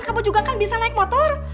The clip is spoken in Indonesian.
kamu juga kan bisa naik motor